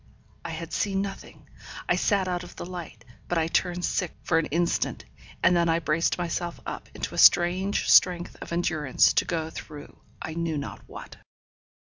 I had seen nothing; I sat out of the light; but I turned sick for an instant, and then I braced myself up into a strange strength of endurance to go through I knew not what.